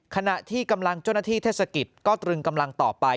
ขณะที่กำลังเจ้าหน้าที่เทศกิจก็ตรึงกำลังต่อไป